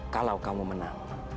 kalau kamu menang